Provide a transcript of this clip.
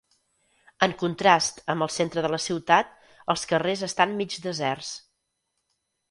En contrast amb el centre de la ciutat, els carrers estan mig deserts.